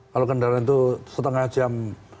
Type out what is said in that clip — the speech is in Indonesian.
kalau kendaraan itu setengah jam